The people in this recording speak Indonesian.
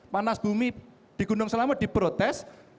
panas bumi di gunung selamet diprotes